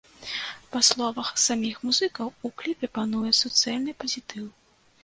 Па словах саміх музыкаў, у кліпе пануе суцэльны пазітыў.